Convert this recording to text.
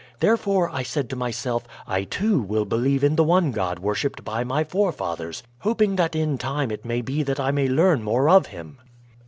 Therefore, I said to myself, I too will believe in the one God worshiped by my forefathers, hoping that in time it may be that I may learn more of him.